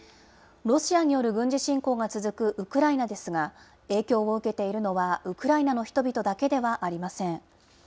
ロシアによる軍事侵攻が続くウクライナですが、影響を受けているのはウクライナの人々だけではありません。